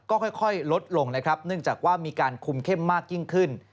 ก็ค่อยลดลงนะครับเนื่องจากว่ามีการคุมเข้มมากยิ่งขึ้น